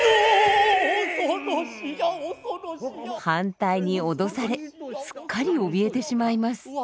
反対に脅されすっかりおびえてしまいます。